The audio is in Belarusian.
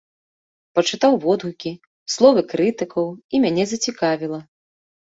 Пачытаў водгукі, словы крытыкаў і мяне зацікавіла.